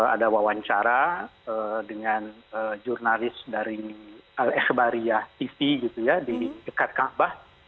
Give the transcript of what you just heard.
ada wawancara dengan jurnalis dari al ikhbariyah tv gitu ya di dekat kaabah